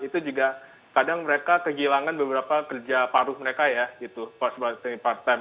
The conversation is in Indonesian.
itu juga kadang mereka kehilangan beberapa kerja paruh mereka ya gitu part time